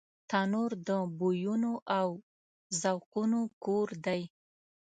تنور د بویونو او ذوقونو کور دی